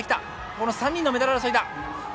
この３人のメダル争いだ！